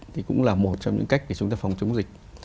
thì cũng là một trong những cách để chúng ta phòng chống dịch